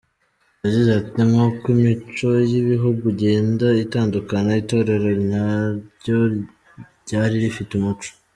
Yagize ati“Nk’uko imico y’ibihugu igenda itandukana, Itorero naryo ryari rifite umuco.